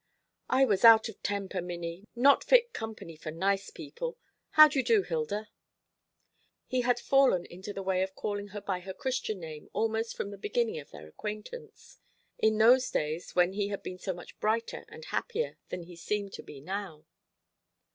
"I was out of temper, Minnie; not fit company for nice people. How do you do, Hilda?" He had fallen into the way of calling her by her Christian name almost from the beginning of their acquaintance; in those days when he had been so much brighter and happier than he seemed to be now.